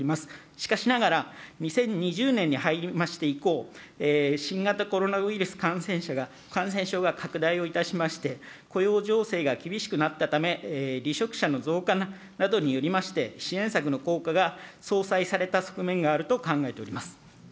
しかしながら、２０２０年に入りまして以降、新型コロナウイルス感染症が拡大をいたしまして、雇用情勢が厳しくなったため、離職者の増加などによりまして、支援策の効果が相殺された側面があると考えております。